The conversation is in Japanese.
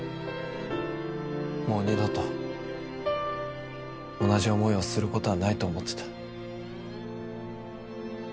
もう二度と同じ思いをすることはないと思ってた。